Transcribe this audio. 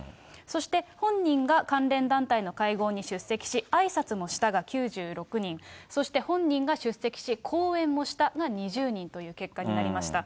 そして、本人が関連団体の会合に出席し、あいさつもしたが９６人、そして本人が出席し、講演もしたが２０人という結果になりました。